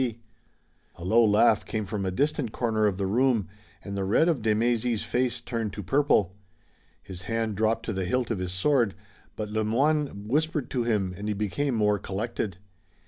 A low laugh came from a distant corner of the room, and the red of de Mézy's face turned to purple. His hand dropped to the hilt of his sword, but Le Moyne whispered to him and he became more collected.